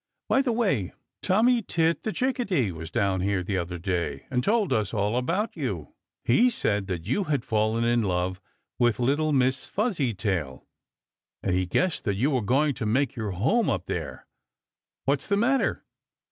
By the way, Tommy Tit the Chickadee was down here the other day and told us all about you. He said that you had fallen in love with little Miss Fuzzytail, and he guessed that you were going to make your home up there. What's the matter?